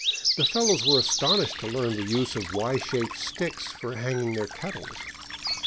The fellows were astonished to learn the use of Y shaped sticks for hanging their kettles.